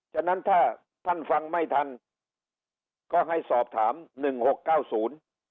ฉะนั้นถ้าท่านฟังไม่ทันก็ให้สอบถามหนึ่งหกเก้าศูนย์